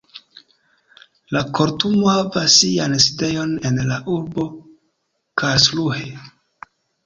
La kortumo havas sian sidejon en la urbo Karlsruhe.